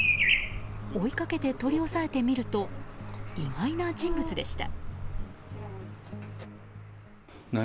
追いかけて取り押さえてみると意外な人物でした。